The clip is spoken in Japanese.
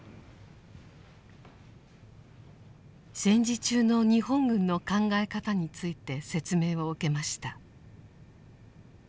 戦時中の日本軍の考え方について説明を受けました。